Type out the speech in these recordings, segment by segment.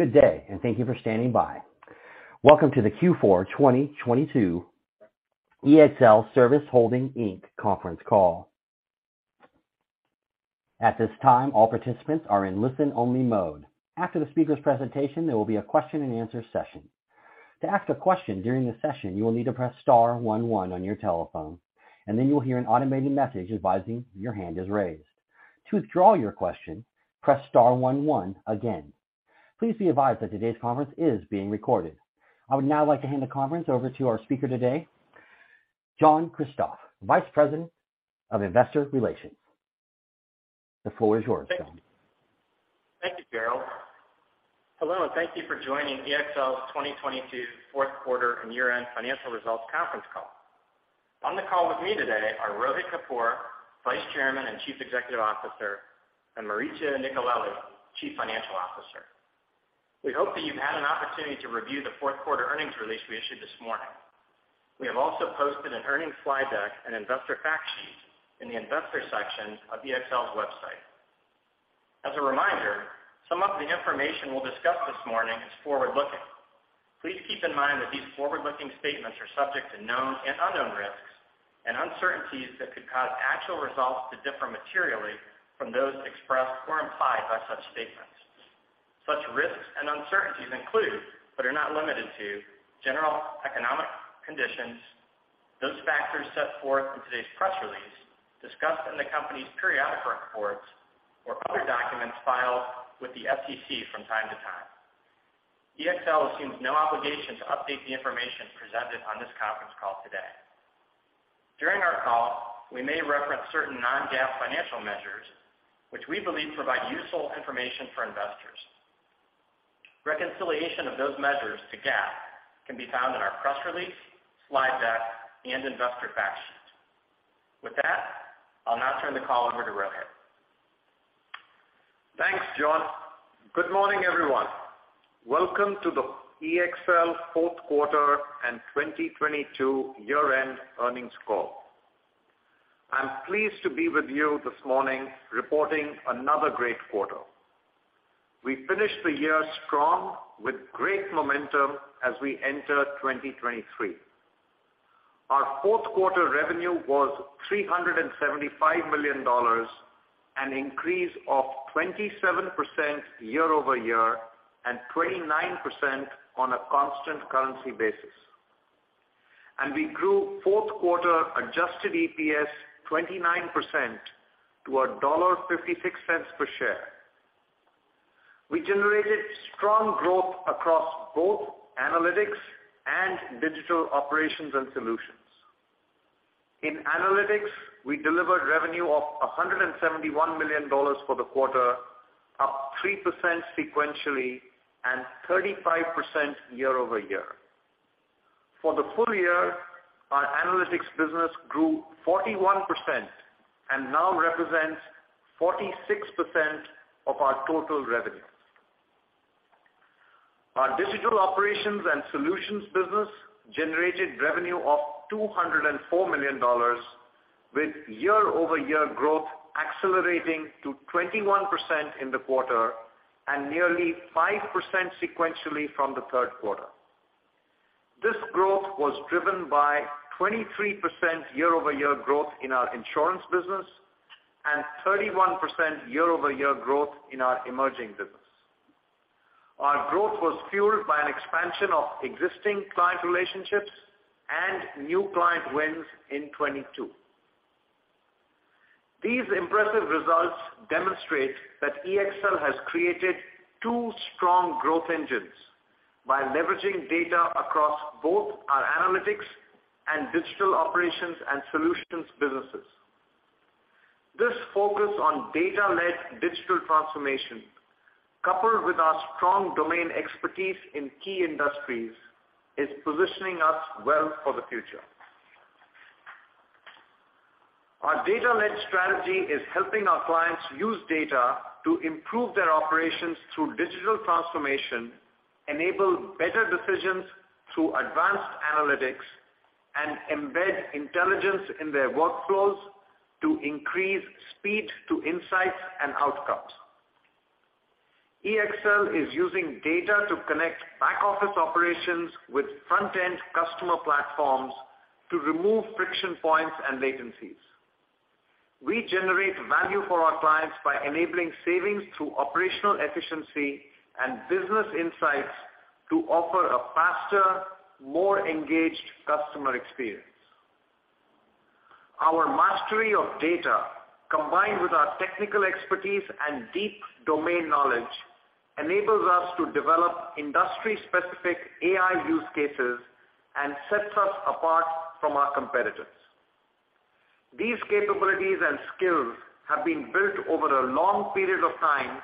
Good day, and thank you for standing by. Welcome to the Q4 2022 ExlService Holdings, Inc. conference call. At this time, all participants are in listen-only mode. After the speaker's presentation, there will be a question-and-answer session. To ask a question during the session, you will need to press star one one on your telephone, and then you will hear an automated message advising your hand is raised. To withdraw your question, press star one one again. Please be advised that today's conference is being recorded. I would now like to hand the conference over to our speaker today, John Kristoff, Vice President of Investor Relations. The floor is yours, John. Thank you, Gerald. Hello, and thank you for joining EXL's 2022 fourth quarter and year-end financial results conference call. On the call with me today are Rohit Kapoor, Vice Chairman and Chief Executive Officer, and Maurizio Nicolelli, Chief Financial Officer. We hope that you've had an opportunity to review the fourth quarter earnings release we issued this morning. We have also posted an earnings fly deck and investor fact sheet in the investor section of EXL's website. As a reminder, some of the information we'll discuss this morning is forward-looking. Please keep in mind that these forward-looking statements are subject to known and unknown risks and uncertainties that could cause actual results to differ materially from those expressed or implied by such statements. Such risks and uncertainties include, but are not limited to, general economic conditions, those factors set forth in today's press release, discussed in the company's periodic reports or other documents filed with the SEC from time to time. EXL assumes no obligation to update the information presented on this conference call today. During our call, we may reference certain non-GAAP financial measures which we believe provide useful information for investors. Reconciliation of those measures to GAAP can be found in our press release, slide deck, and investor fact sheet. With that, I'll now turn the call over to Rohit. Thanks, John. Good morning, everyone. Welcome to the EXL fourth quarter and 2022 year-end earnings call. I'm pleased to be with you this morning, reporting another great quarter. We finished the year strong with great momentum as we enter 2023. Our fourth quarter revenue was $375 million, an increase of 27% year-over-year and 29% on a constant currency basis. We grew fourth quarter adjusted EPS 29% to $1.56 per share. We generated strong growth across both analytics and Digital Operations and Solutions. In analytics, we delivered revenue of $171 million for the quarter, up 3% sequentially and 35% year-over-year. For the full year, our Analytics business grew 41% and now represents 46% of our total revenue. Our Digital Operations and Solutions business generated revenue of $204 million with year-over-year growth accelerating to 21% in the quarter and nearly 5% sequentially from the third quarter. This growth was driven by 23% year-over-year growth in our Insurance business and 31% year-over-year growth in our emerging business. Our growth was fueled by an expansion of existing client relationships and new client wins in 2022. These impressive results demonstrate that EXL has created two strong growth engines by leveraging data across both our analytics and Digital Operations and Solutions businesses. This focus on data-led digital transformation, coupled with our strong domain expertise in key industries, is positioning us well for the future. Our data-led strategy is helping our clients use data to improve their operations through digital transformation, enable better decisions through advanced analytics, and embed intelligence in their workflows to increase speed to insights and outcomes. EXL is using data to connect back-office operations with front-end customer platforms to remove friction points and latencies. We generate value for our clients by enabling savings through operational efficiency and business insights to offer a faster, more engaged customer experience. Our mastery of data, combined with our technical expertise and deep domain knowledge, enables us to develop industry-specific AI use cases and sets us apart from our competitors. These capabilities and skills have been built over a long period of time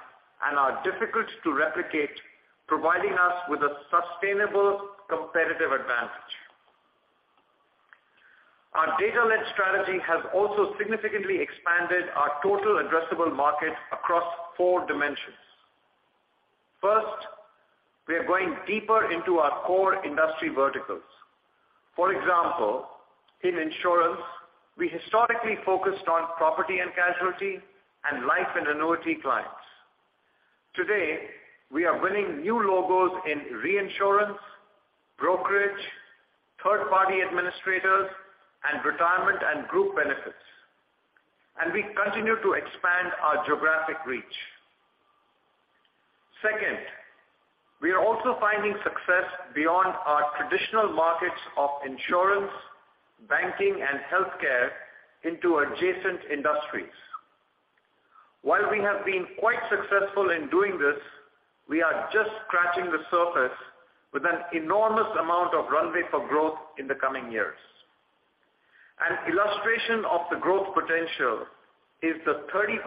and are difficult to replicate, providing us with a sustainable competitive advantage. Our data-led strategy has also significantly expanded our total addressable market across four dimensions. First, we are going deeper into our core industry verticals. For example, in insurance, we historically focused on property and casualty and life and annuity clients. Today, we are winning new logos in reinsurance, brokerage, third-party administrators, and retirement and group benefits, and we continue to expand our geographic reach. Second, we are also finding success beyond our traditional markets of insurance, banking, and healthcare into adjacent industries. While we have been quite successful in doing this, we are just scratching the surface with an enormous amount of runway for growth in the coming years. An illustration of the growth potential is the 35%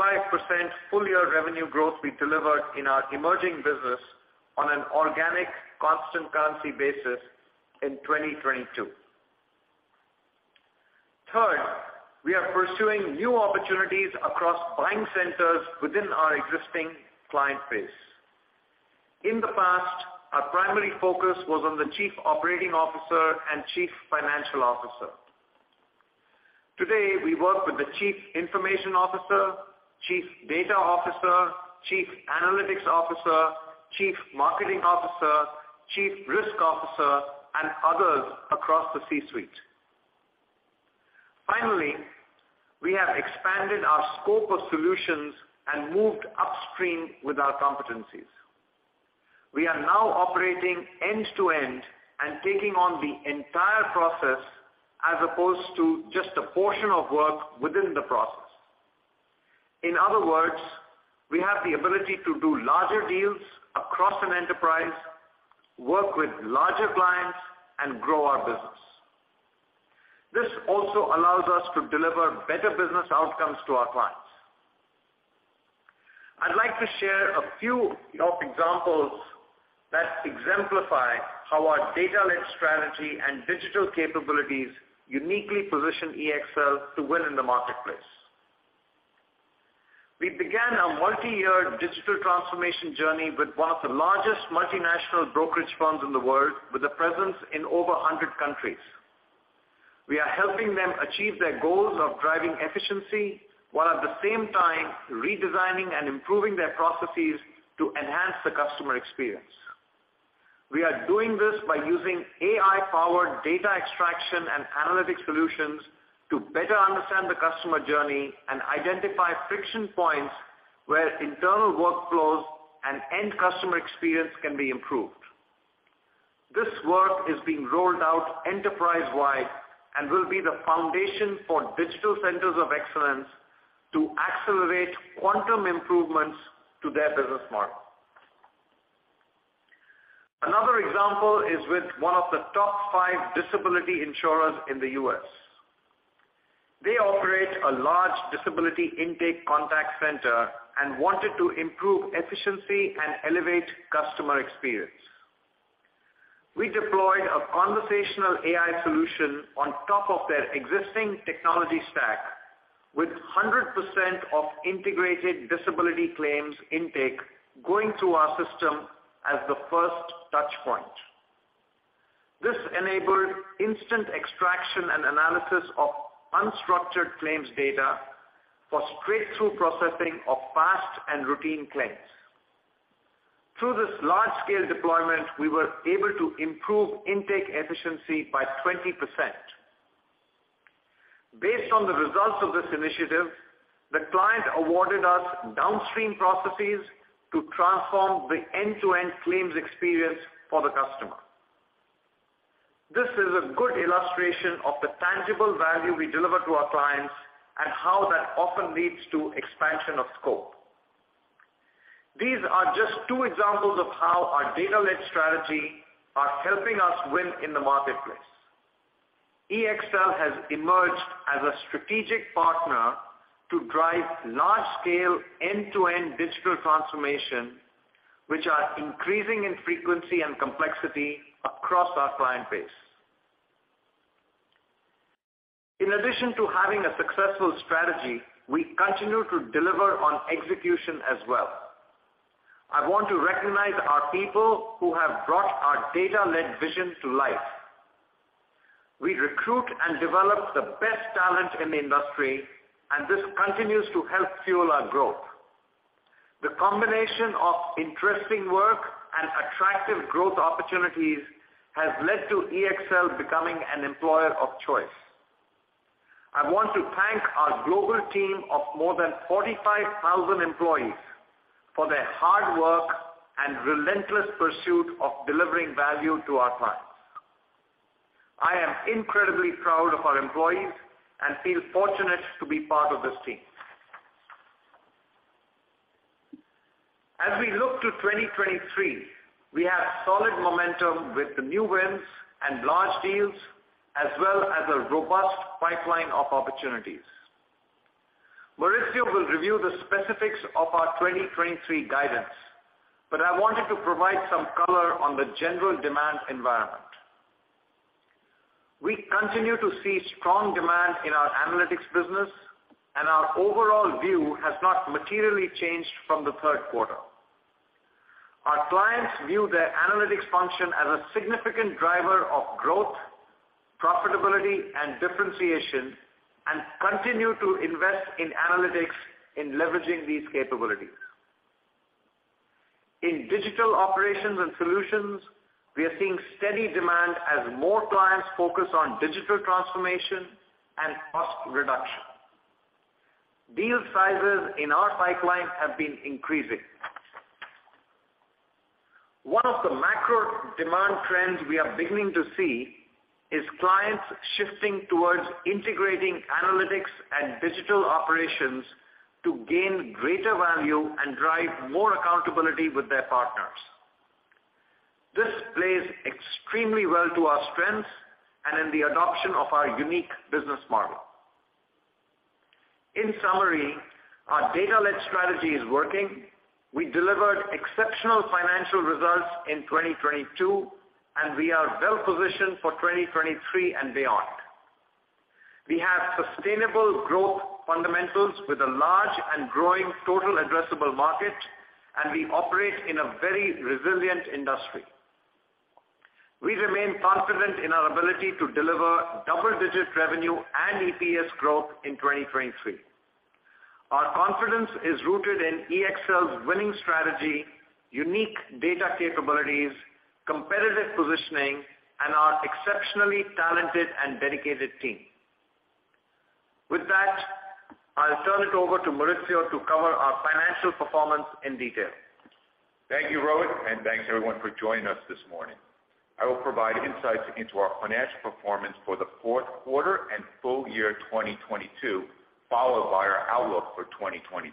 full-year revenue growth we delivered in our emerging business on an organic constant currency basis in 2022. Third, we are pursuing new opportunities across buying centers within our existing client base. In the past, our primary focus was on the Chief Operating Officer and Chief Financial Officer. Today, we work with the chief information officer, chief data officer, chief analytics officer, chief marketing officer, chief risk officer, and others across the C-suite. Finally, we have expanded our scope of solutions and moved upstream with our competencies. We are now operating end-to-end and taking on the entire process as opposed to just a portion of work within the process. In other words, we have the ability to do larger deals across an enterprise, work with larger clients, and grow our business. This also allows us to deliver better business outcomes to our clients. I'd like to share a few examples that exemplify how our data-led strategy and digital capabilities uniquely position EXL to win in the marketplace. We began our multi-year digital transformation journey with one of the largest multinational brokerage firms in the world with a presence in over 100 countries. We are helping them achieve their goals of driving efficiency, while at the same time redesigning and improving their processes to enhance the customer experience. We are doing this by using AI-powered data extraction and analytics solutions to better understand the customer journey and identify friction points where internal workflows and end customer experience can be improved. This work is being rolled out enterprise-wide and will be the foundation for digital centers of excellence to accelerate quantum improvements to their business model. Another example is with one of the top five disability insurers in the U.S. They operate a large disability intake contact center and wanted to improve efficiency and elevate customer experience. We deployed a conversational AI solution on top of their existing technology stack with 100% of integrated disability claims intake going through our system as the first touchpoint. This enabled instant extraction and analysis of unstructured claims data for straight-through processing of fast and routine claims. Through this large-scale deployment, we were able to improve intake efficiency by 20%. Based on the results of this initiative, the client awarded us downstream processes to transform the end-to-end claims experience for the customer. This is a good illustration of the tangible value we deliver to our clients and how that often leads to expansion of scope. These are just two examples of how our data-led strategy are helping us win in the marketplace. EXL has emerged as a strategic partner to drive large-scale end-to-end digital transformation, which are increasing in frequency and complexity across our client base. In addition to having a successful strategy, we continue to deliver on execution as well. I want to recognize our people who have brought our data-led vision to life. We recruit and develop the best talent in the industry, and this continues to help fuel our growth. The combination of interesting work and attractive growth opportunities has led to EXL becoming an employer of choice. I want to thank our global team of more than 45,000 employees for their hard work and relentless pursuit of delivering value to our clients. I am incredibly proud of our employees and feel fortunate to be part of this team. As we look to 2023, we have solid momentum with the new wins and large deals, as well as a robust pipeline of opportunities. Maurizio will review the specifics of our 2023 guidance, but I wanted to provide some color on the general demand environment. Our clients view their analytics function as a significant driver of growth, profitability, and differentiation, and continue to invest in analytics in leveraging these capabilities. In Digital Operations and Solutions , we are seeing steady demand as more clients focus on digital transformation and cost reduction. Deal sizes in our pipeline have been increasing. One of the macro demand trends we are beginning to see is clients shifting towards integrating analytics and digital operations to gain greater value and drive more accountability with their partners. This plays extremely well to our strengths and in the adoption of our unique business model. In summary, our data-led strategy is working. We delivered exceptional financial results in 2022, and we are well positioned for 2023 and beyond. We have sustainable growth fundamentals with a large and growing total addressable market, and we operate in a very resilient industry. We remain confident in our ability to deliver double-digit revenue and EPS growth in 2023. Our confidence is rooted in EXL's winning strategy, unique data capabilities, competitive positioning, and our exceptionally talented and dedicated team. With that, I'll turn it over to Maurizio to cover our financial performance in detail. Thank you, Rohit. Thanks everyone for joining us this morning. I will provide insights into our financial performance for the fourth quarter and full year 2022, followed by our outlook for 2023.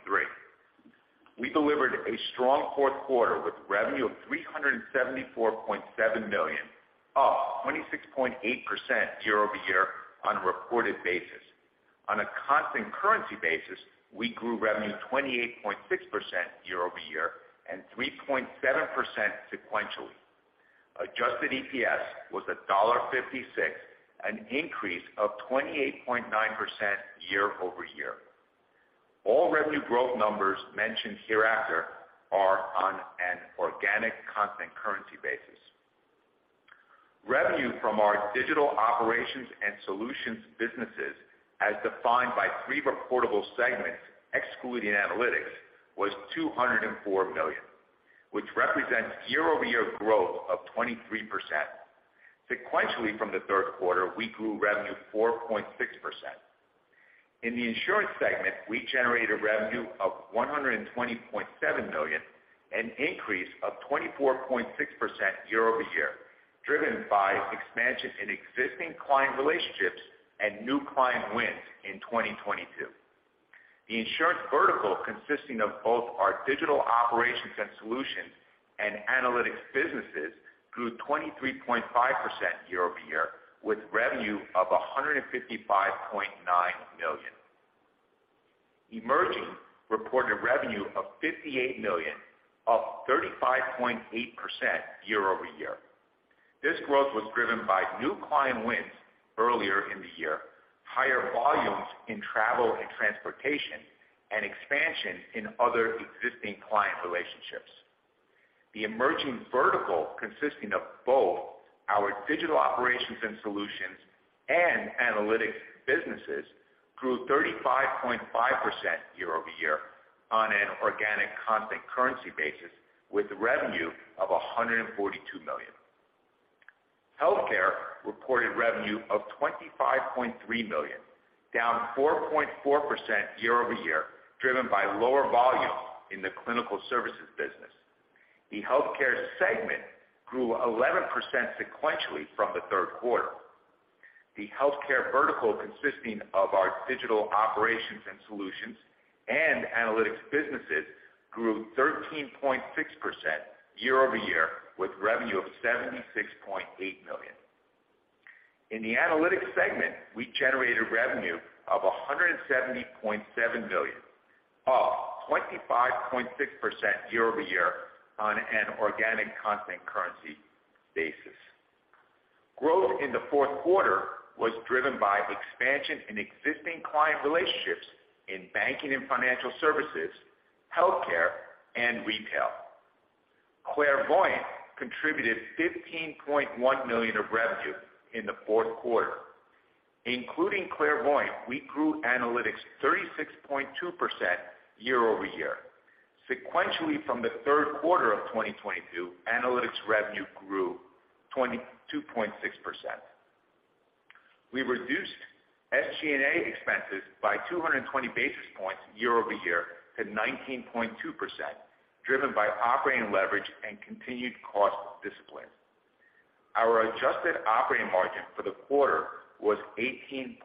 We delivered a strong fourth quarter with revenue of $374.7 million, up 26.8% year-over-year on a reported basis. On a constant currency basis, we grew revenue 28.6% year-over-year and 3.7% sequentially. Adjusted EPS was $1.56, an increase of 28.9% year-over-year. All revenue growth numbers mentioned hereafter are on an organic constant currency basis. Revenue from our Digital Operations and Solutions businesses, as defined by three reportable segments excluding analytics, was $204 million, which represents year-over-year growth of 23%. Sequentially from the third quarter, we grew revenue 4.6%. In the Insurance segment, we generated revenue of $120.7 million, an increase of 24.6% year-over-year, driven by expansion in existing client relationships and new client wins in 2022. The insurance vertical, consisting of both our Digital Operations and Solutions and Analytics businesses, grew 23.5% year-over-year, with revenue of $155.9 million. Emerging reported revenue of $58 million, up 35.8% year-over-year. This growth was driven by new client wins earlier in the year, higher volumes in travel and transportation, and expansion in other existing client relationships. The emerging vertical, consisting of both our Digital Operations and Solutions and Analytics businesses, grew 35.5% year-over-year on an organic constant currency basis, with revenue of $142 million. Healthcare reported revenue of $25.3 million, down 4.4% year-over-year, driven by lower volume in the clinical services business. The Healthcare segment grew 11% sequentially from the third quarter. The Healthcare vertical, consisting of our Digital Operations and Solutions and Analytics businesses, grew 13.6% year-over-year, with revenue of $76.8 million. In the Analytics segment, we generated revenue of $170.7 million, up 25.6% year-over-year on an organic constant currency basis. Growth in the fourth quarter was driven by expansion in existing client relationships in Banking and Financial Services, Healthcare, and Retail. Clairvoyant contributed $15.1 million of revenue in the fourth quarter. Including Clairvoyant, we grew analytics 36.2% year-over-year. Sequentially from the third quarter of 2022, analytics revenue grew 22.6%. We reduced SG&A expenses by 220 basis points year-over-year to 19.2%, driven by operating leverage and continued cost discipline. Our adjusted operating margin for the quarter was 18.0%,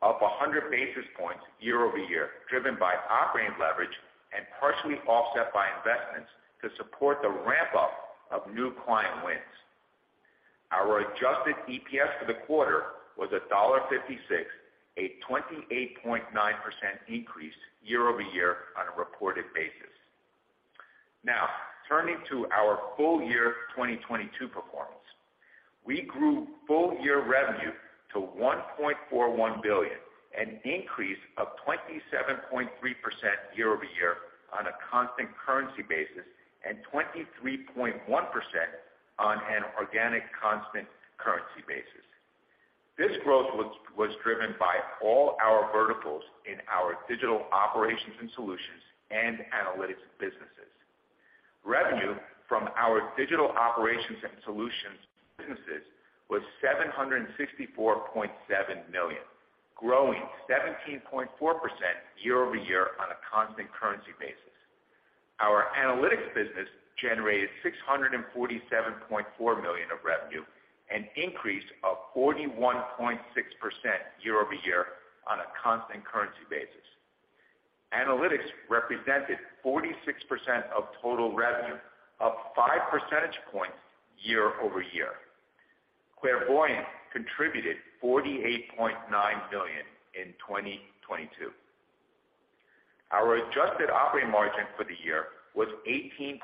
up 100 basis points year-over-year, driven by operating leverage and partially offset by investments to support the ramp-up of new client wins. Our adjusted EPS for the quarter was $1.56, a 28.9% increase year-over-year on a reported basis. Now, turning to our full year 2022 performance. We grew full year revenue to $1.41 billion, an increase of 27.3% year-over-year on a constant currency basis and 23.1% on an organic constant currency basis. This growth was driven by all our verticals in our Digital Operations and Solutions and Analytics businesses. Revenue from our Digital Operations and Solutions businesses was $764.7 million, growing 17.4% year-over-year on a constant currency basis. Our Analytics business generated $647.4 million of revenue, an increase of 41.6% year-over-year on a constant currency basis. Analytics represented 46% of total revenue, up 5 percentage points year-over-year. Clairvoyant contributed $48.9 billion in 2022. Our adjusted operating margin for the year was 18.3%,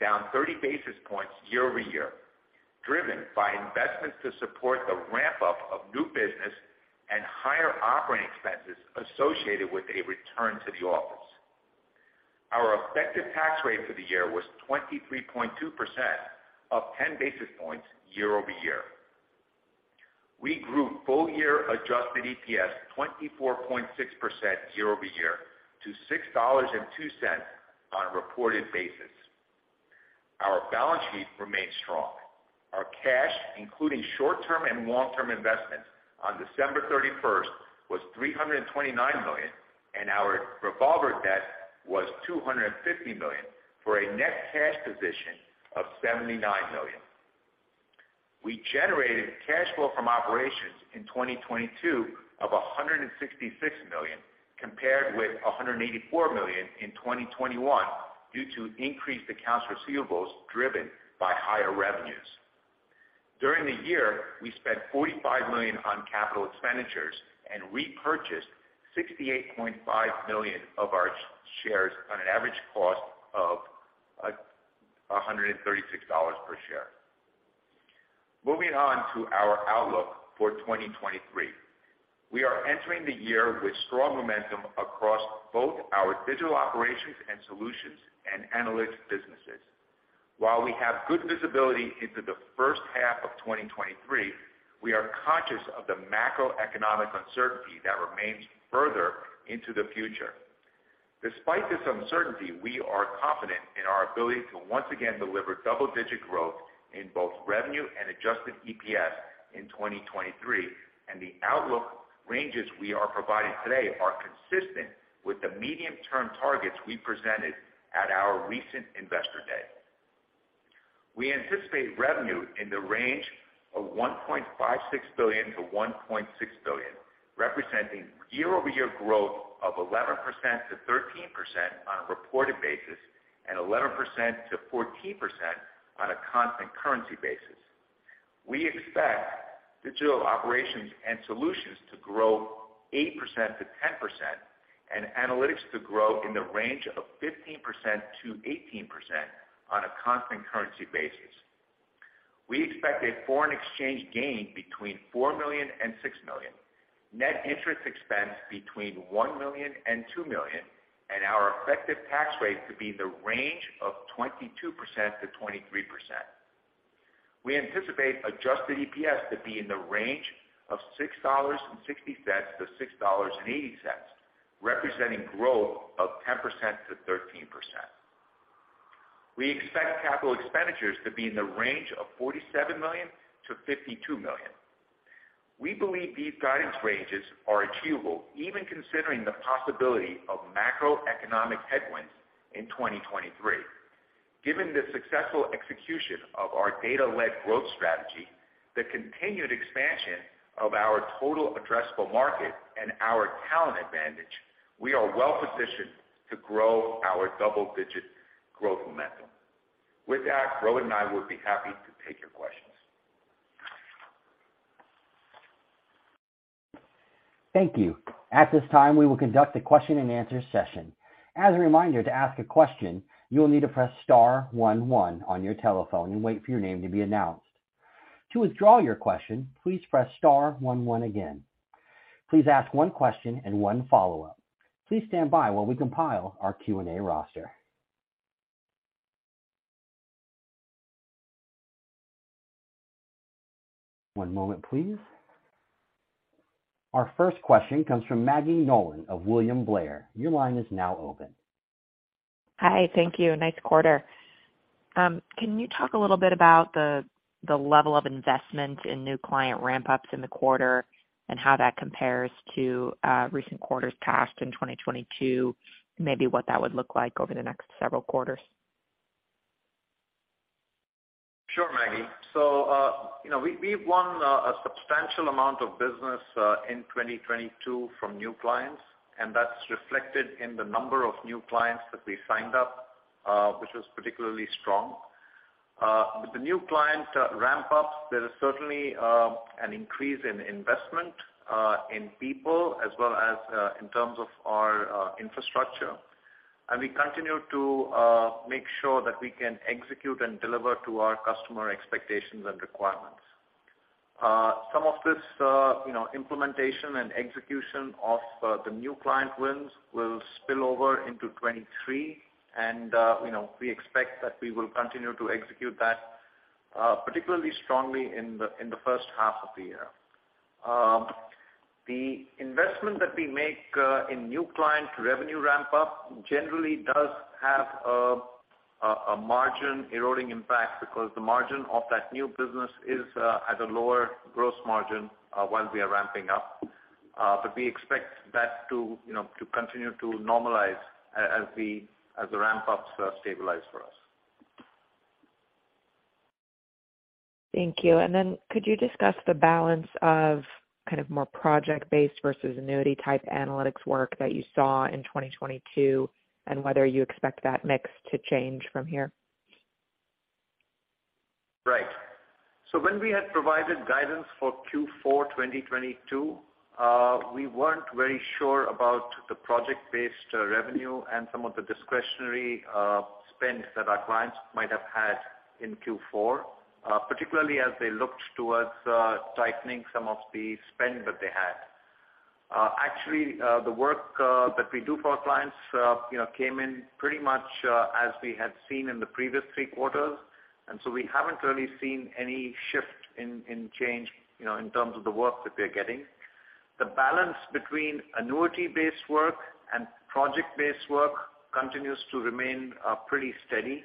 down 30 basis points year-over-year, driven by investments to support the ramp-up of new business and higher operating expenses associated with a return to the office. Our effective tax rate for the year was 23.2%, up 10 basis points year-over-year. We grew full year adjusted EPS 24.6% year-over-year to $6.02 on a reported basis. Our balance sheet remained strong. Our cash, including short-term and long-term investments on December 31st, was $329 million, and our revolver debt was $250 million for a net cash position of $79 million. We generated cash flow from operations in 2022 of $166 million, compared with $184 million in 2021 due to increased accounts receivables driven by higher revenues. During the year, we spent $45 million on CapEx and repurchased $68.5 million of our shares on an average cost of $136 per share. Moving on to our outlook for 2023. We are entering the year with strong momentum across both our Digital Operations and Solutions and Analytics businesses. While we have good visibility into the first half of 2023, we are conscious of the macroeconomic uncertainty that remains further into the future. Despite this uncertainty, we are confident in our ability to once again deliver double-digit growth in both revenue and adjusted EPS in 2023, and the outlook ranges we are providing today are consistent with the medium-term targets we presented at our recent Investor Day. We anticipate revenue in the range of $1.56 billion-$1.6 billion, representing year-over-year growth of 11%-13% on a reported basis, and 11%-14% on a constant currency basis. We expect Digital Operations and Solutions to grow 8%-10% and analytics to grow in the range of 15%-18% on a constant currency basis. We expect a foreign exchange gain between $4 million and $6 million, net interest expense between $1 million and $2 million, and our effective tax rate to be in the range of 22%-23%. We anticipate adjusted EPS to be in the range of $6.60-$6.80, representing growth of 10%-13%. We expect capital expenditures to be in the range of $47 million-$52 million. We believe these guidance ranges are achievable even considering the possibility of macroeconomic headwinds in 2023. Given the successful execution of our data-led growth strategy, the continued expansion of our total addressable market and our talent advantage, we are well positioned to grow our double-digit growth momentum. With that, Rohit and I would be happy to take your questions. Thank you. At this time, we will conduct a question-and-answer session. As a reminder, to ask a question, you will need to press star one one on your telephone and wait for your name to be announced. To withdraw your question, please press star one one again. Please ask one question and one follow-up. Please stand by while we compile our Q&A roster. One moment, please. Our first question comes from Maggie Nolan of William Blair. Your line is now open. Hi. Thank you. Nice quarter. Can you talk a little bit about the level of investment in new client ramp-ups in the quarter and how that compares to recent quarters past in 2022, maybe what that would look like over the next several quarters? Sure, Maggie. You know, we won a substantial amount of business in 2022 from new clients, and that's reflected in the number of new clients that we signed up, which was particularly strong. With the new client ramp-ups, there is certainly an increase in investment in people as well as in terms of our infrastructure. We continue to make sure that we can execute and deliver to our customer expectations and requirements. Some of this, you know, implementation and execution of the new client wins will spill over into 2023 and, you know, we expect that we will continue to execute that particularly strongly in the first half of the year. The investment that we make in new client revenue ramp-up generally does have a margin eroding impact because the margin of that new business is at a lower gross margin while we are ramping up. We expect that to, you know, to continue to normalize as the ramp-ups stabilize for us. Thank you. Then could you discuss the balance of kind of more project-based versus annuity-type analytics work that you saw in 2022 and whether you expect that mix to change from here? Right. When we had provided guidance for Q4 2022, we weren't very sure about the project-based revenue and some of the discretionary spend that our clients might have had in Q4, particularly as they looked towards tightening some of the spend that they had. Actually, the work that we do for our clients, you know, came in pretty much as we had seen in the previous three quarters. We haven't really seen any shift in change, you know, in terms of the work that we're getting. The balance between annuity-based work and project-based work continues to remain pretty steady.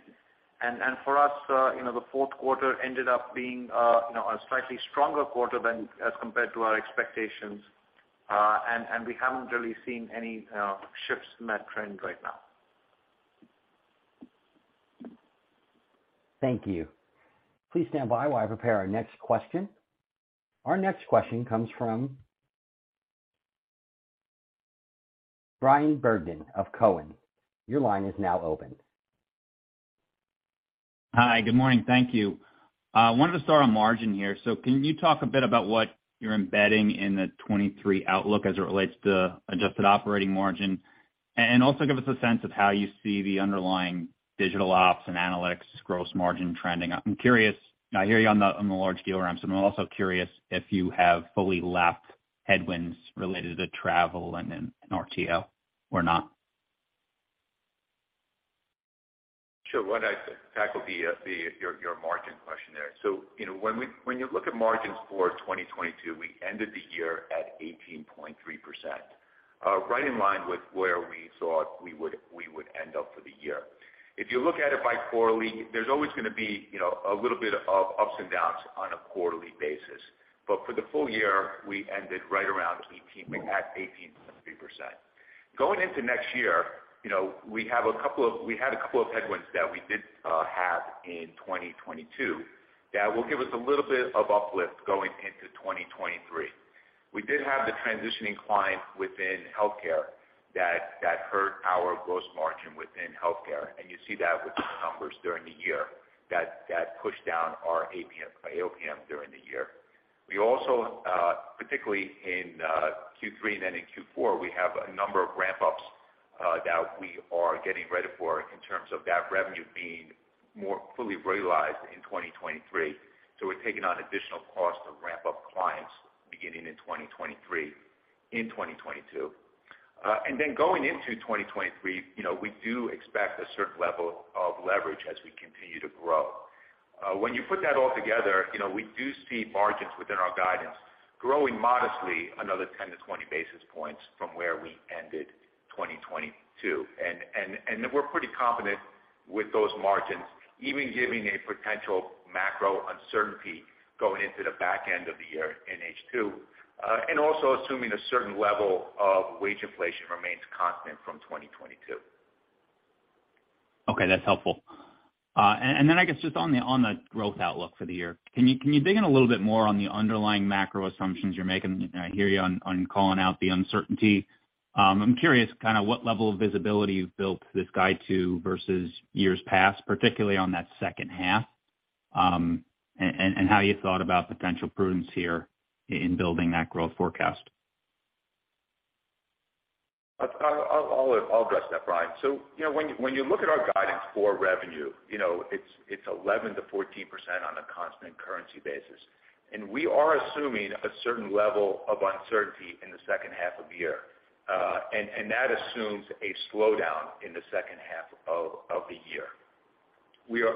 For us, you know, the fourth quarter ended up being, you know, a slightly stronger quarter than as compared to our expectations, and we haven't really seen any shifts in that trend right now. Thank you. Please stand by while I prepare our next question. Our next question comes from Bryan Bergin of Cowen. Your line is now open. Hi. Good morning. Thank you. Wanted to start on margin here. Can you talk a bit about what you're embedding in the 23 outlook as it relates to adjusted operating margin? Also give us a sense of how you see the underlying digital ops and analytics gross margin trending. I'm curious. I hear you on the large deal ramps, and I'm also curious if you have fully lapped headwinds related to travel and then RTO or not. Sure. Why don't I tackle the your margin question there. You know, when you look at margins for 2022, we ended the year at 18.3%, right in line with where we thought we would end up for the year. If you look at it by quarterly, there's always gonna be, you know, a little bit of ups and downs on a quarterly basis. For the full year, we ended right around at 18.3%. Going into next year, you know, we had a couple of headwinds that we did have in 2022 that will give us a little bit of uplift going into 2023. We did have the transitioning clients within healthcare that hurt our gross margin within healthcare, and you see that with the numbers during the year that pushed down our APM during the year. We also, particularly in Q3 and then in Q4, we have a number of ramp-ups that we are getting ready for in terms of that revenue being more fully realized in 2023. We're taking on additional cost to ramp up clients beginning in 2023, in 2022. Going into 2023, you know, we do expect a certain level of leverage as we continue to grow. When you put that all together, you know, we do see margins within our guidance growing modestly another 10-20 basis points from where we ended 2022. We're pretty confident with those margins, even giving a potential macro uncertainty going into the back end of the year in H2, and also assuming a certain level of wage inflation remains constant from 2022. Okay, that's helpful. I guess just on the growth outlook for the year, can you dig in a little bit more on the underlying macro assumptions you're making? I hear you on calling out the uncertainty. I'm curious kinda what level of visibility you've built this guide to versus years past, particularly on that second half, and how you thought about potential prudence here in building that growth forecast. I'll address that, Bryan. You know, when you look at our guidance for revenue, you know, it's 11%-14% on a constant currency basis. We are assuming a certain level of uncertainty in the second half of the year. That assumes a slowdown in the second half of the year.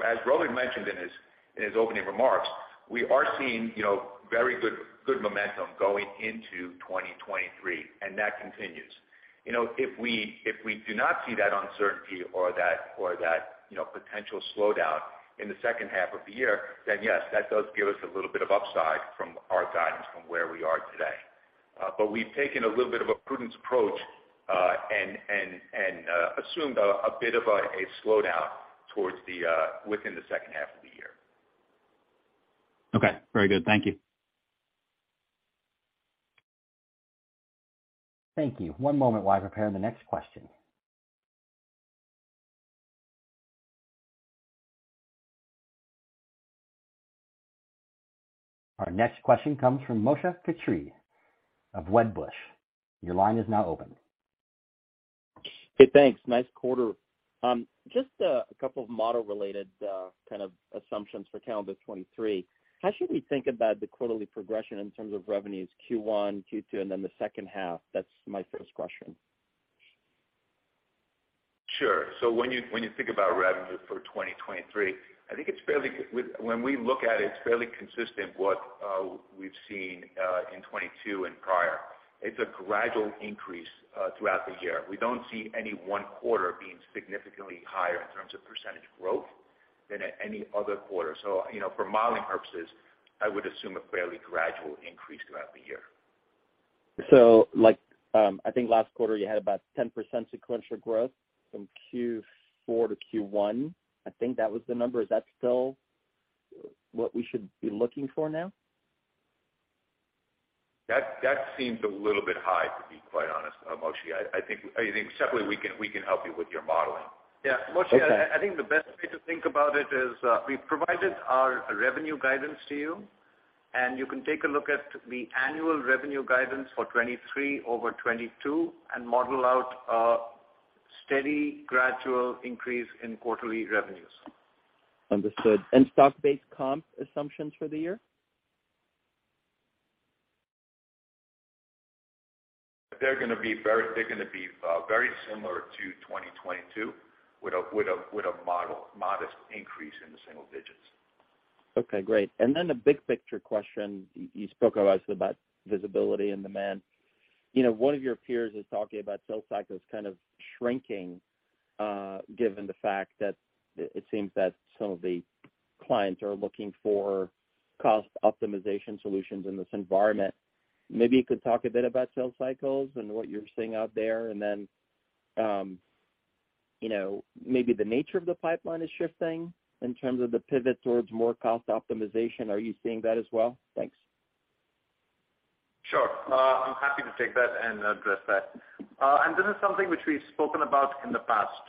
As Rohit mentioned in his opening remarks, we are seeing, you know, very good momentum going into 2023, and that continues. You know, if we do not see that uncertainty or that, you know, potential slowdown in the second half of the year, yes, that does give us a little bit of upside from our guidance from where we are today. Uh, but we've taken a little bit of a prudence approach, uh, and, and, and, uh, assumed a, a bit of a, a slowdown towards the, uh, within the second half of the year. Okay. Very good. Thank you. Thank you. One moment while I prepare the next question. Our next question comes from Moshe Katri of Wedbush. Your line is now open. Hey, thanks. Nice quarter. Just a couple of model related kind of assumptions for calendar 2023. How should we think about the quarterly progression in terms of revenues Q1, Q2, and then the second half? That's my first question. Sure. When you think about revenue for 2023, I think it's fairly when we look at it's fairly consistent what we've seen in 2022 and prior. It's a gradual increase throughout the year. We don't see any one quarter being significantly higher in terms of percentage growth than at any other quarter. You know, for modeling purposes, I would assume a fairly gradual increase throughout the year. Like, I think last quarter you had about 10% sequential growth from Q4 to Q1. I think that was the number. Is that still what we should be looking for now? That seems a little bit high, to be quite honest, Moshe. I think certainly we can help you with your modeling. Yeah. Moshe, I think the best way to think about it is, we've provided our revenue guidance to you. You can take a look at the annual revenue guidance for 2023 over 2022 and model out a steady gradual increase in quarterly revenues. Understood. stock-based comp assumptions for the year? They're gonna be very similar to 2022 with a model, modest increase in the single digits. Okay, great. A big picture question. You spoke about visibility and demand. You know, one of your peers is talking about sales cycles kind of shrinking, given the fact that it seems that some of the clients are looking for cost optimization solutions in this environment. Maybe you could talk a bit about sales cycles and what you're seeing out there. You know, maybe the nature of the pipeline is shifting in terms of the pivot towards more cost optimization. Are you seeing that as well? Thanks. Sure. I'm happy to take that and address that. This is something which we've spoken about in the past.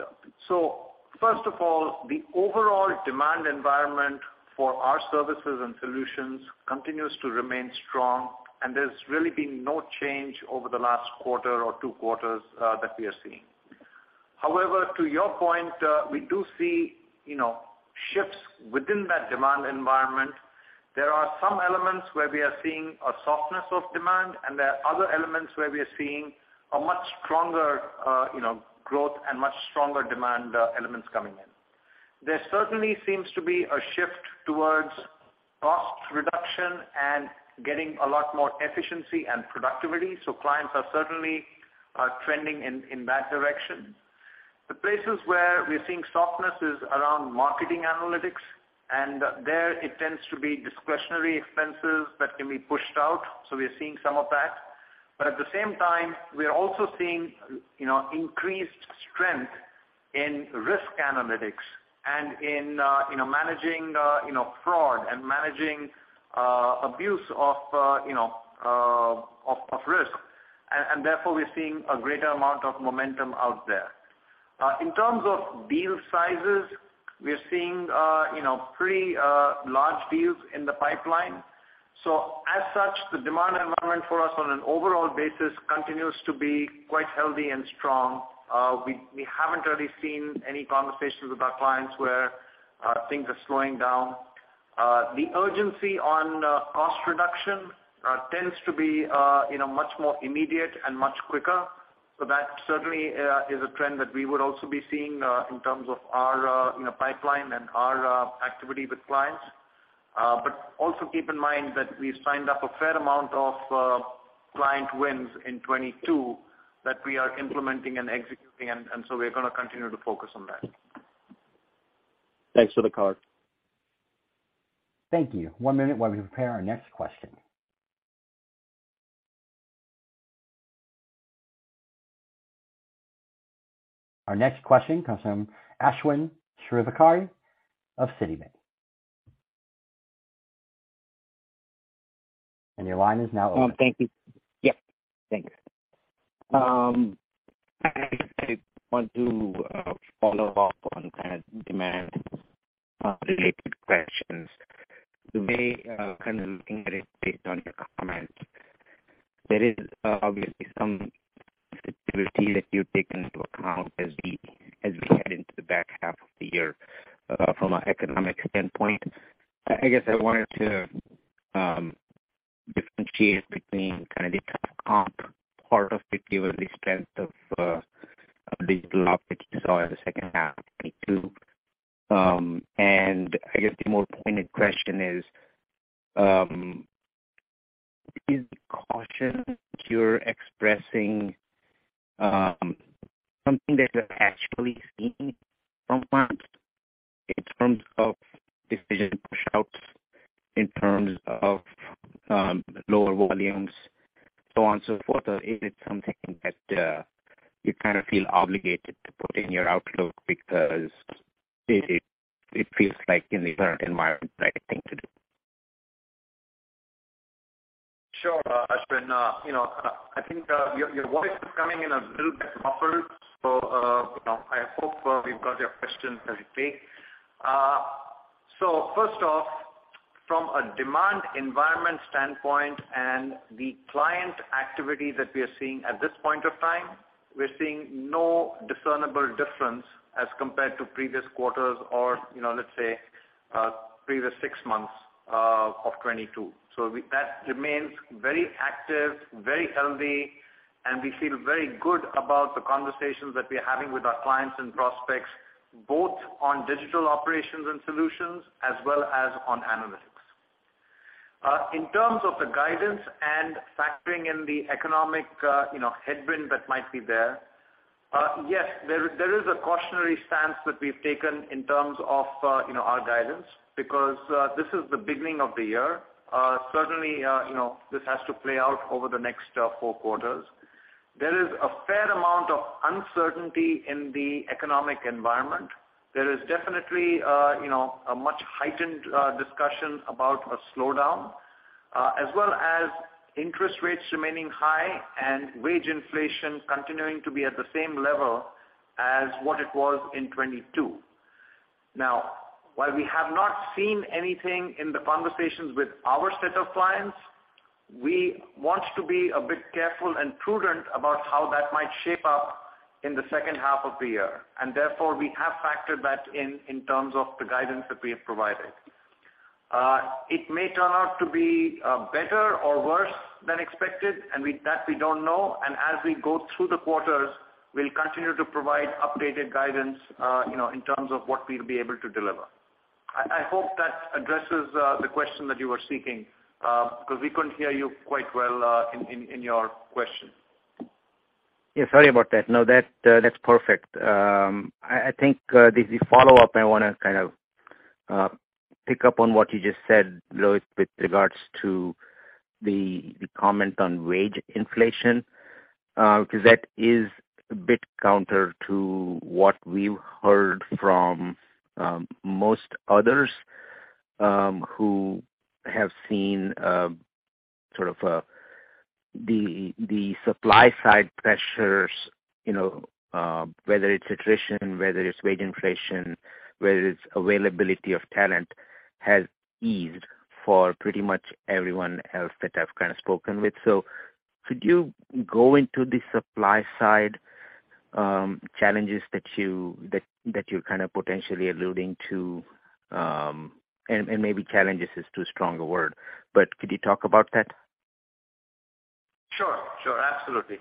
First of all, the overall demand environment for our services and solutions continues to remain strong, and there's really been no change over the last quarter or two quarters that we are seeing. To your point, we do see, you know, shifts within that demand environment. There are some elements where we are seeing a softness of demand, and there are other elements where we are seeing a much stronger, you know, growth and much stronger demand elements coming in. There certainly seems to be a shift towards cost reduction and getting a lot more efficiency and productivity, clients are certainly trending in that direction. The places where we're seeing softness is around marketing analytics, and there it tends to be discretionary expenses that can be pushed out, so we're seeing some of that. At the same time, we are also seeing, you know, increased strength in risk analytics and in, you know, managing, you know, fraud and managing abuse of, you know, risk. Therefore, we're seeing a greater amount of momentum out there. In terms of deal sizes, we're seeing, you know, pretty large deals in the pipeline. As such, the demand environment for us on an overall basis continues to be quite healthy and strong. We haven't really seen any conversations with our clients where things are slowing down. The urgency on cost reduction tends to be, you know, much more immediate and much quicker. That certainly is a trend that we would also be seeing in terms of our, you know, pipeline and our activity with clients. Also keep in mind that we've signed up a fair amount of client wins in 2022 that we are implementing and executing and so we're gonna continue to focus on that. Thanks for the color. Thank you. One minute while we prepare our next question. Our next question comes from Ashwin Shirvaikar of Citi. Your line is now open. Thank you. Yep. Thanks. I want to follow up on kind of demand related questions. You may kind of looking at it based on your comments. There is obviously some activity that you've taken into account as we head into the back half of the year from an economic standpoint. I guess I wanted to differentiate between kind of the comp part of it, given the strength of digital ops that you saw in the second half 2022. I guess the more pointed question is the caution you're expressing something that you're actually seeing from clients in terms of decision pushouts, in terms of lower volumes, so on and so forth? Is it something that you kind of feel obligated to put in your outlook because it feels like in the current environment the right thing to do? Sure, Ashwin. You know, I think, your voice is coming in a little bit muffled, so, you know, I hope, we've got your question clearly. First off, from a demand environment standpoint and the client activity that we are seeing at this point of time, we're seeing no discernible difference as compared to previous quarters or, you know, let's say, previous six months, of 2022. That remains very active, very healthy, and we feel very good about the conversations that we're having with our clients and prospects, both on Digital Operations and Solutions as well as on analytics. In terms of the guidance and factoring in the economic, you know, headwind that might be there, yes, there is a cautionary stance that we've taken in terms of, you know, our guidance because this is the beginning of the year. Certainly, you know, this has to play out over the next four quarters. There is a fair amount of uncertainty in the economic environment. There is definitely, you know, a much heightened discussion about a slowdown, as well as interest rates remaining high and wage inflation continuing to be at the same level as what it was in 2022. While we have not seen anything in the conversations with our set of clients, we want to be a bit careful and prudent about how that might shape up in the second half of the year. Therefore, we have factored that in terms of the guidance that we have provided. It may turn out to be better or worse than expected, and we don't know. As we go through the quarters, we'll continue to provide updated guidance, you know, in terms of what we'll be able to deliver. I hope that addresses the question that you were seeking, because we couldn't hear you quite well in your question. Yeah, sorry about that. No, that's perfect. I think the follow-up I wanna kind of pick up on what you just said, Rohit, with regards to the comment on wage inflation. 'Cause that is a bit counter to what we've heard from most others who have seen sort of the supply side pressures, you know, whether it's attrition, whether it's wage inflation, whether it's availability of talent, has eased for pretty much everyone else that I've kind of spoken with. Could you go into the supply side challenges that you're kind of potentially alluding to? Maybe challenges is too strong a word, but could you talk about that? Sure. Sure. Absolutely.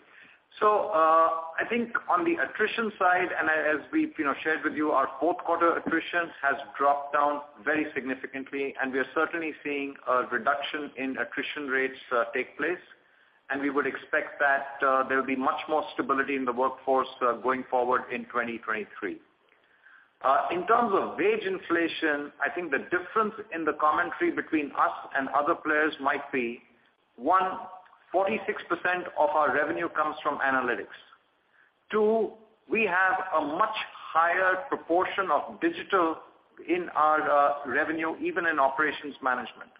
I think on the attrition side, as we've, you know, shared with you, our fourth quarter attrition has dropped down very significantly, and we are certainly seeing a reduction in attrition rates take place. We would expect that there will be much more stability in the workforce going forward in 2023. In terms of wage inflation, I think the difference in the commentary between us and other players might be, one, 46% of our revenue comes from analytics. Two, we have a much higher proportion of digital in our revenue, even in operations management.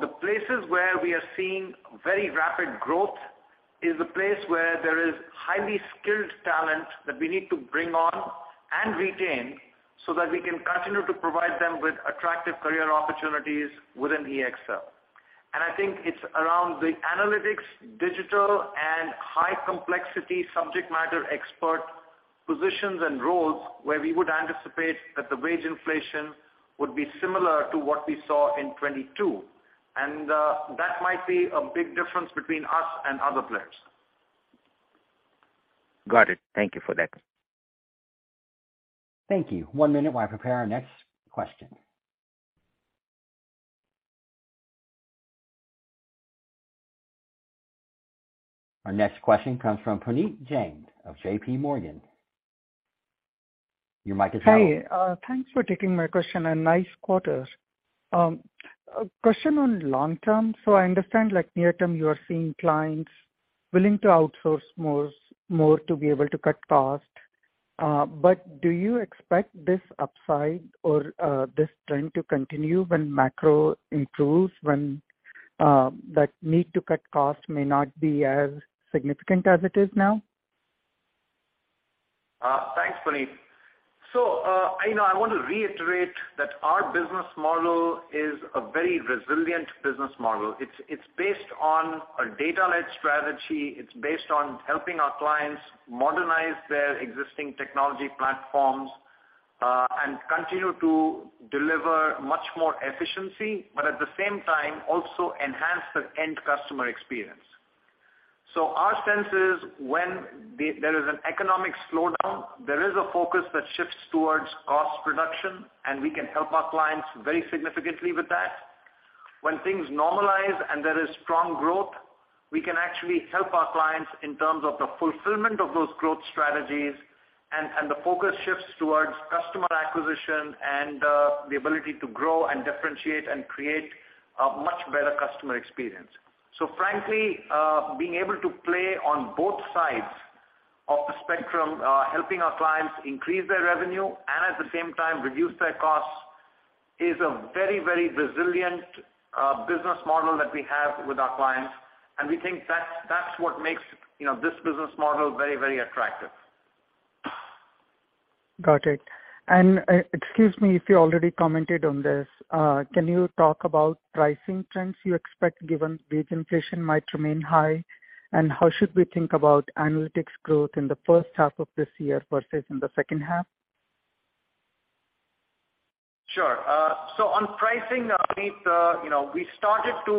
The places where we are seeing very rapid growth is a place where there is highly skilled talent that we need to bring on and retain so that we can continue to provide them with attractive career opportunities within EXL. I think it's around the analytics, digital and high complexity subject matter expert positions and roles where we would anticipate that the wage inflation would be similar to what we saw in 2022. That might be a big difference between us and other players. Got it. Thank you for that. Thank you. One minute while I prepare our next question. Our next question comes from Puneet Jain of JPMorgan. Your mic is on. Hi, thanks for taking my question and nice quarters. A question on long term. I understand like near term, you are seeing clients willing to outsource more to be able to cut costs. Do you expect this upside or this trend to continue when macro improves, when that need to cut costs may not be as significant as it is now? Thanks, Puneet. You know, I want to reiterate that our business model is a very resilient business model. It's based on a data-led strategy. It's based on helping our clients modernize their existing technology platforms, and continue to deliver much more efficiency, but at the same time, also enhance the end customer experience. Our sense is when there is an economic slowdown, there is a focus that shifts towards cost reduction, and we can help our clients very significantly with that. When things normalize and there is strong growth, we can actually help our clients in terms of the fulfillment of those growth strategies and the focus shifts towards customer acquisition and the ability to grow and differentiate and create a much better customer experience. Frankly, being able to play on both sides of the spectrum, helping our clients increase their revenue and at the same time reduce their costs is a very, very resilient business model that we have with our clients. We think that's what makes, you know, this business model very, very attractive. Got it. Excuse me if you already commented on this. Can you talk about pricing trends you expect given wage inflation might remain high? How should we think about analytics growth in the first half of this year versus in the second half? Sure. On pricing, Puneet, you know, we started to,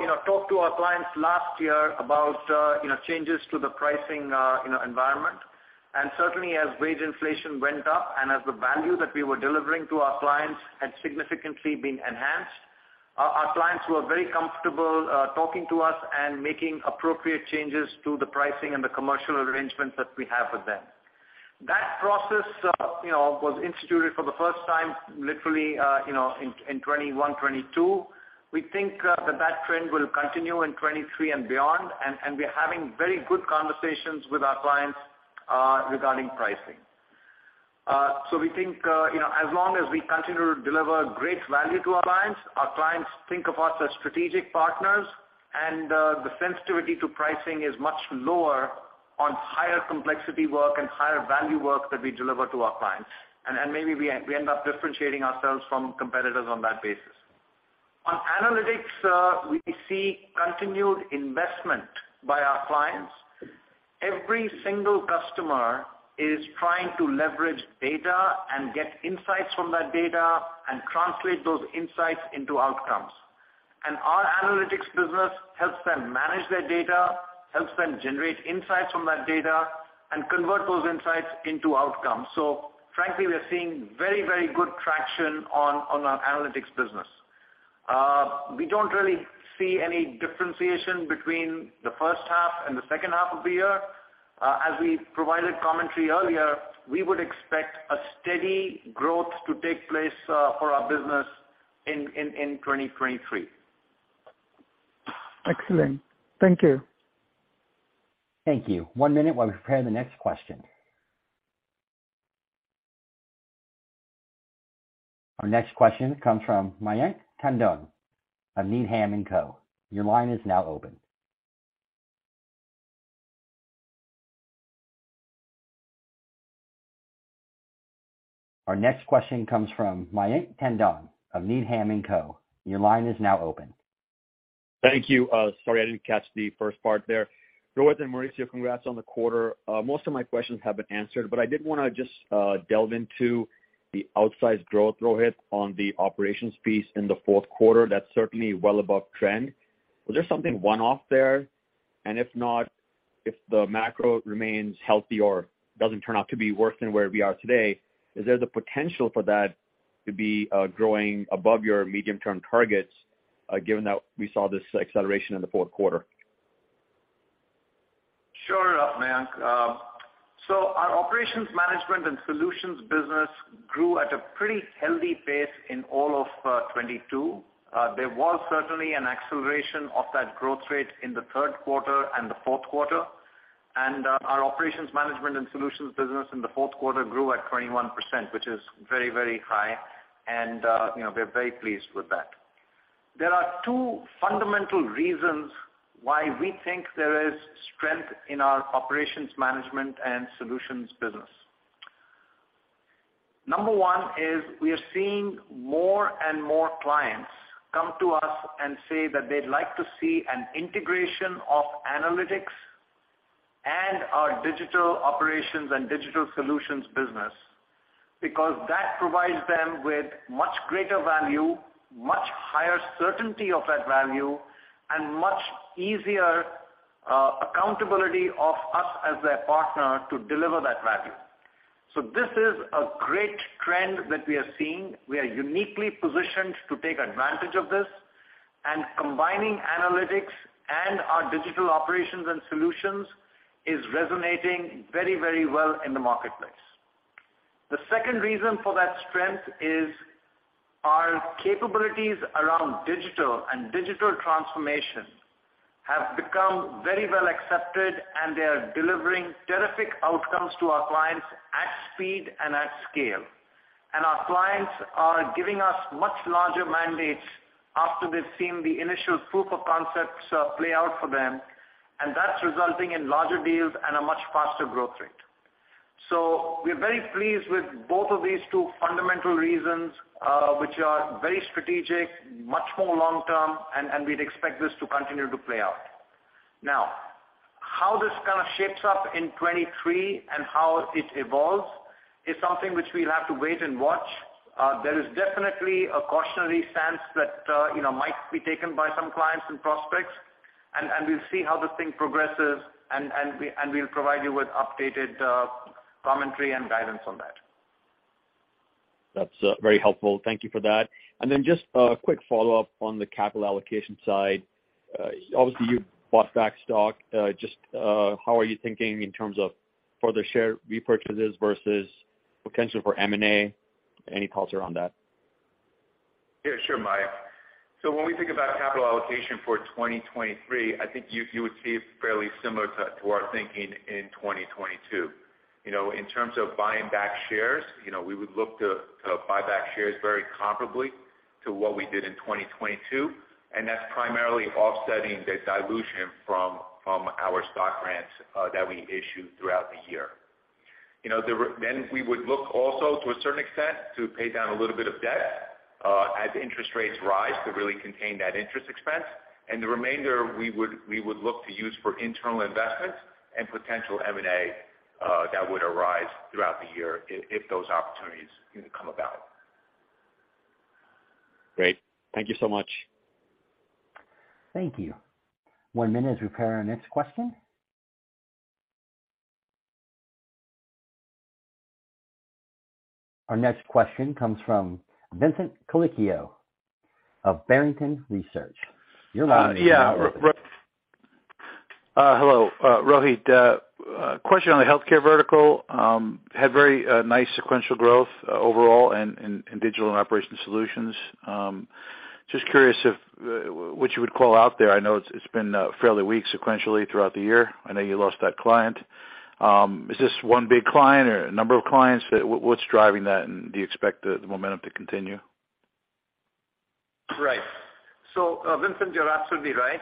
you know, talk to our clients last year about, you know, changes to the pricing, you know, environment. Certainly as wage inflation went up and as the value that we were delivering to our clients had significantly been enhanced, our clients were very comfortable, talking to us and making appropriate changes to the pricing and the commercial arrangements that we have with them. That process, you know, was instituted for the first time literally, you know, in 2021, 2022. We think, that that trend will continue in 2023 and beyond, and we're having very good conversations with our clients, regarding pricing. We think, you know, as long as we continue to deliver great value to our clients, our clients think of us as strategic partners, and the sensitivity to pricing is much lower on higher complexity work and higher value work that we deliver to our clients. Maybe we end up differentiating ourselves from competitors on that basis. On analytics, we see continued investment by our clients. Every single customer is trying to leverage data and get insights from that data and translate those insights into outcomes. Our Analytics business helps them manage their data, helps them generate insights from that data, and convert those insights into outcomes. Frankly, we are seeing very, very good traction on our Analytics business. We don't really see any differentiation between the first half and the second half of the year. As we provided commentary earlier, we would expect a steady growth to take place for our business in 2023. Excellent. Thank you. Thank you. One minute while we prepare the next question. Our next question comes from Mayank Tandon of Needham and Co. Your line is now open. Thank you. Sorry I didn't catch the first part there. Rohit and Maurizio, congrats on the quarter. Most of my questions have been answered, but I did wanna just delve into the outsized growth, Rohit, on the operations piece in the fourth quarter. That's certainly well above trend. Was there something one-off there? If not, if the macro remains healthy or doesn't turn out to be worse than where we are today, is there the potential for that to be growing above your medium-term targets, given that we saw this acceleration in the fourth quarter? Sure, Mayank. Our Operations Management and Solutions business grew at a pretty healthy pace in all of 2022. There was certainly an acceleration of that growth rate in the third quarter and the fourth quarter. Our Operations Management and Solutions business in the fourth quarter grew at 21%, which is very, very high, you know, we're very pleased with that. There are two fundamental reasons why we think there is strength in our Operations Management and Solutions business. Number one is we are seeing more and more clients come to us and say that they'd like to see an integration of analytics and our Digital Operations and Digital Solutions business, because that provides them with much greater value, much higher certainty of that value, and much easier accountability of us as their partner to deliver that value. This is a great trend that we are seeing. We are uniquely positioned to take advantage of this. Combining analytics and our Digital Operations and Solutions is resonating very, very well in the marketplace. The second reason for that strength is our capabilities around digital and digital transformation have become very well accepted, and they are delivering terrific outcomes to our clients at speed and at scale. Our clients are giving us much larger mandates after they've seen the initial proof of concepts play out for them, and that's resulting in larger deals and a much faster growth rate. We're very pleased with both of these two fundamental reasons which are very strategic, much more long term, and we'd expect this to continue to play out. How this kind of shapes up in 23 and how it evolves is something which we'll have to wait and watch. There is definitely a cautionary stance that, you know, might be taken by some clients and prospects. We'll see how this thing progresses and we'll provide you with updated commentary and guidance on that. That's very helpful. Thank you for that. Just a quick follow-up on the capital allocation side. Obviously you bought back stock. How are you thinking in terms of further share repurchases versus potential for M&A? Any thoughts around that? Yeah, sure, Mayak. When we think about capital allocation for 2023, I think you would see it fairly similar to our thinking in 2022. You know, in terms of buying back shares, you know, we would look to buy back shares very comparably to what we did in 2022, and that's primarily offsetting the dilution from our stock grants that we issue throughout the year. You know, we would look also to a certain extent to pay down a little bit of debt as interest rates rise to really contain that interest expense. The remainder we would look to use for internal investments and potential M&A that would arise throughout the year if those opportunities, you know, come about. Great. Thank you so much. Thank you. One minute as we prepare our next question. Our next question comes from Vincent Colicchio of Barrington Research. Your line is now open. Yeah, hello, Rohit. Question on the healthcare vertical. Had very nice sequential growth overall in digital and operation solutions. Just curious if what you would call out there. I know it's been fairly weak sequentially throughout the year. I know you lost that client. Is this one big client or a number of clients? What's driving that, and do you expect the momentum to continue? Right. Vincent, you're absolutely right.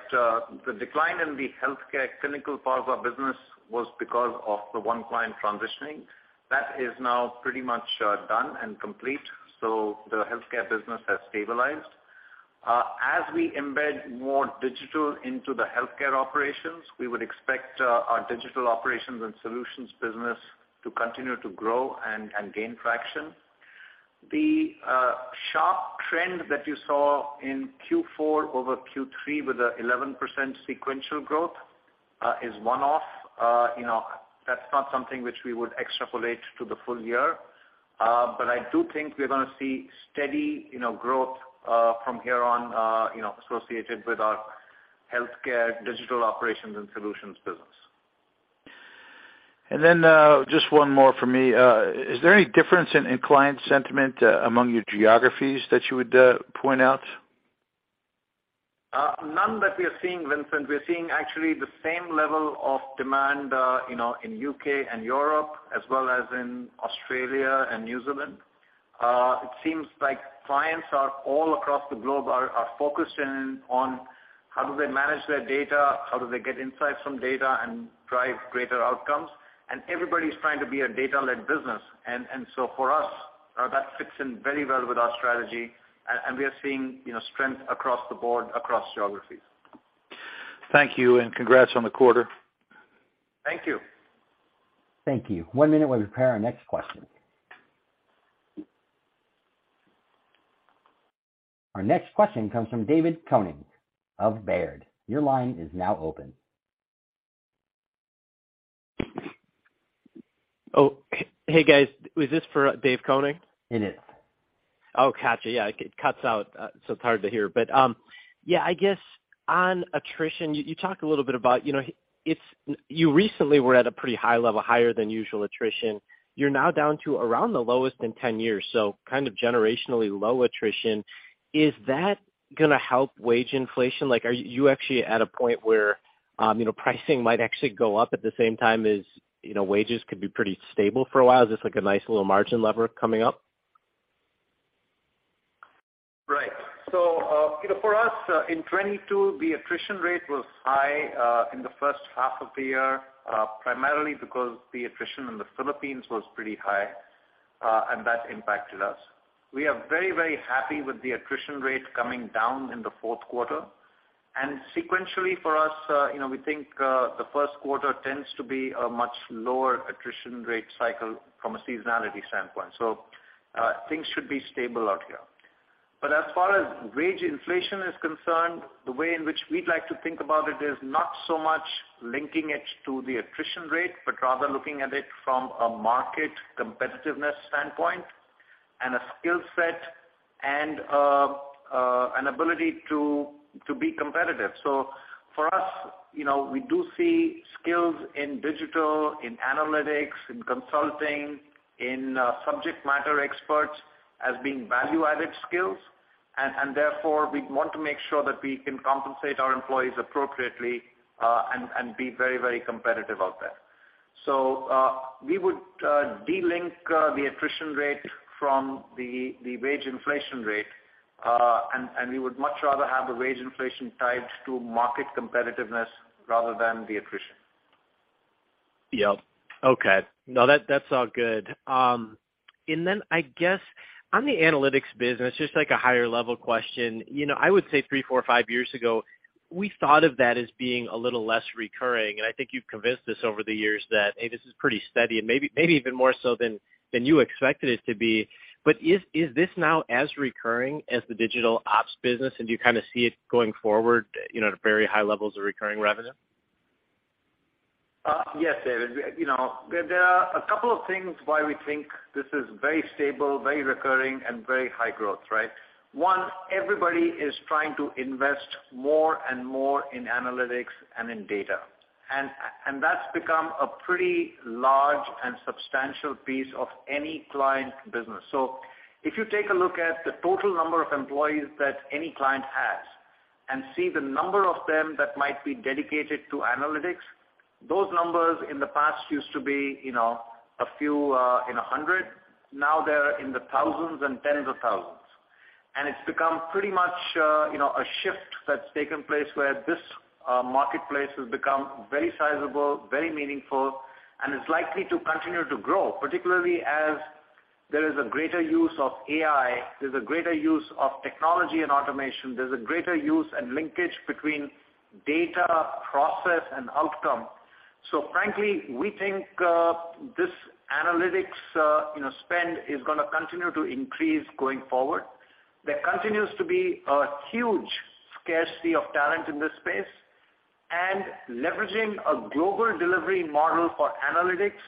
The decline in the healthcare clinical part of our business was because of the one client transitioning. That is now pretty much done and complete, the Healthcare business has stabilized. As we embed more digital into the healthcare operations, we would expect our Digital Operations and Solution business to continue to grow and gain traction. The sharp trend that you saw in Q4 over Q3 with a 11% sequential growth is one-off. You know, that's not something which we would extrapolate to the full year. I do think we're gonna see steady, you know, growth from here on, you know, associated with our Healthcare Digital Operations and Solutions business. Just one more from me. Is there any difference in client sentiment among your geographies that you would point out? None that we are seeing, Vincent. We're seeing actually the same level of demand, you know, in U.K. and Europe as well as in Australia and New Zealand. It seems like clients all across the globe are focused in on how do they manage their data, how do they get insights from data and drive greater outcomes. Everybody's trying to be a data-led business. So for us, that fits in very well with our strategy. We are seeing, you know, strength across the board, across geographies. Thank you. Congrats on the quarter. Thank you. Thank you. One minute while we prepare our next question. Our next question comes from David Koning of Baird. Your line is now open. Oh, hey guys, was this for Dave Koning? It is. Oh, gotcha. Yeah, it cuts out, so it's hard to hear. Yeah, I guess on attrition, you talked a little bit about, you know, You recently were at a pretty high level, higher than usual attrition. You're now down to around the lowest in 10 years, so kind of generationally low attrition. Is that gonna help wage inflation? Like, are you actually at a point where, you know, pricing might actually go up at the same time as, you know, wages could be pretty stable for a while? Is this like a nice little margin lever coming up? Right. For us, in 2022, the attrition rate was high in the first half of the year, primarily because the attrition in the Philippines was pretty high, and that impacted us. We are very happy with the attrition rate coming down in the fourth quarter. Sequentially for us, we think the first quarter tends to be a much lower attrition rate cycle from a seasonality standpoint. Things should be stable out here. As far as wage inflation is concerned, the way in which we'd like to think about it is not so much linking it to the attrition rate, but rather looking at it from a market competitiveness standpoint and a skill set and an ability to be competitive. For us, you know, we do see skills in digital, in analytics, in consulting, in subject matter experts as being value-added skills. Therefore, we want to make sure that we can compensate our employees appropriately, and be very competitive out there. We would de-link the attrition rate from the wage inflation rate, and we would much rather have the wage inflation tied to market competitiveness rather than the attrition. Yep. Okay. No, that's all good. I guess on the Analytics business, just like a higher level question. You know, I would say three, four, five years ago, we thought of that as being a little less recurring, and I think you've convinced us over the years that, hey, this is pretty steady and maybe even more so than you expected it to be. Is this now as recurring as the digital ops business? Do you kinda see it going forward, you know, at very high levels of recurring revenue? Yes, David. You know, there are a couple of things why we think this is very stable, very recurring, and very high growth, right? One, everybody is trying to invest more and more in analytics and in data. That's become a pretty large and substantial piece of any client business. If you take a look at the total number of employees that any client has and see the number of them that might be dedicated to analytics, those numbers in the past used to be, you know, a few in 100. Now they're in the thousands and tens of thousands. It's become pretty much, you know, a shift that's taken place where this marketplace has become very sizable, very meaningful, and it's likely to continue to grow, particularly as there is a greater use of AI, there's a greater use of technology and automation, there's a greater use and linkage between data process and outcome. Frankly, we think, this analytics, you know, spend is gonna continue to increase going forward. There continues to be a huge scarcity of talent in this space, and leveraging a global delivery model for analytics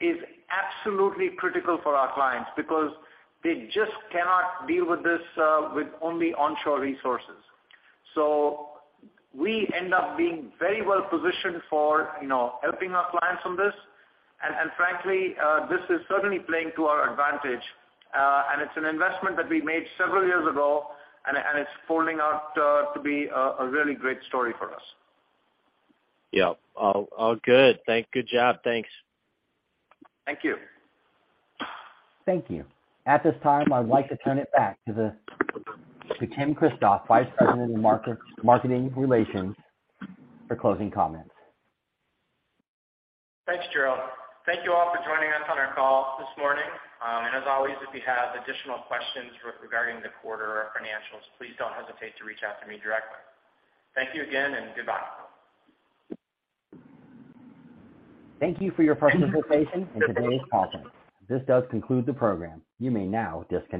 is absolutely critical for our clients because they just cannot deal with this, with only onshore resources. We end up being very well positioned for, you know, helping our clients on this. Frankly, this is certainly playing to our advantage. It's an investment that we made several years ago, and it's folding out to be a really great story for us. Yeah. All good. Good job. Thanks. Thank you. Thank you. At this time, I'd like to turn it back to John Kristoff, Vice President of Marketing Relations, for closing comments. Thanks, Gerald. Thank you all for joining us on our call this morning. As always, if you have additional questions regarding the quarter or our financials, please don't hesitate to reach out to me directly. Thank you again. Goodbye. Thank you for your participation in today's conference. This does conclude the program. You may now disconnect.